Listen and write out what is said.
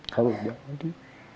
kalau udah nanti